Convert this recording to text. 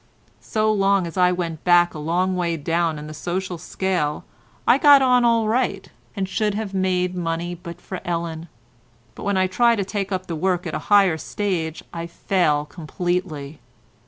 So long as I went back a long way down in the social scale I got on all right, and should have made money but for Ellen; when I try to take up the work at a higher stage I fail completely."